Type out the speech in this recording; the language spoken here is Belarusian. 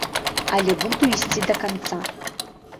Але буду ісці да канца.